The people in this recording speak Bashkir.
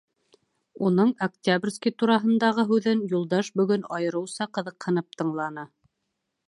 Уның Октябрьский тураһындағы һүҙен Юлдаш бөгөн айырыуса ҡыҙыҡһынып тыңланы.